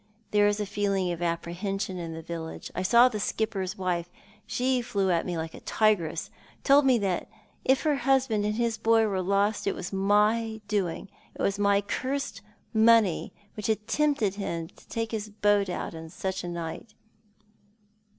There is a feeling of apprehension in the village. I saw the skipper's wife. She flew at me like a tigress — told me that if her husband and his boy were lost it was my doing ; it was my cursed money which had tempted him to take his boat out on such a night."